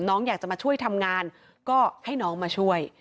น้องอยากจะมาช่วยทำงานก็ให้น้องมาช่วย